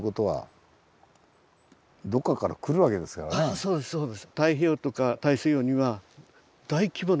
そうですそうです。